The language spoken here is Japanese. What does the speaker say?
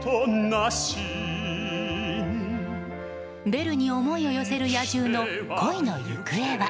ベルに思いを寄せる野獣の恋の行方は。